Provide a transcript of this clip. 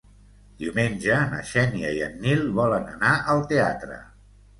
Diumenge na Xènia i en Nil volen anar al teatre.